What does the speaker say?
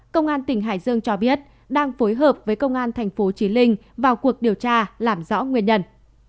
công an tỉnh hải dương cho biết đang phối hợp với công an tp hcm vào cuộc điều tra làm rõ nguyên nhân